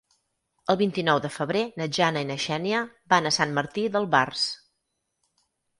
El vint-i-nou de febrer na Jana i na Xènia van a Sant Martí d'Albars.